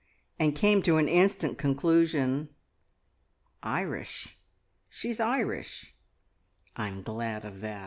and came to an instant conclusion. "Irish! She's Irish. I'm glad of that.